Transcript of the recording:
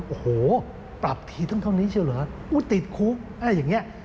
โอ้โหปรับทีเท่านี้เฉยเหรอติดคุ้มอย่างนี้